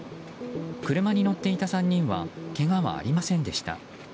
車に乗っていた３人はけがはありませんでした。